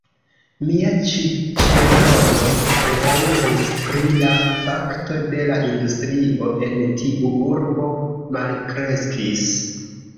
Mia ĉiĉerono bedaŭris pri la fakto, ke la industrio en tiu urbo malkreskis.